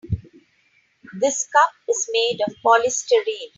This cup is made of polystyrene.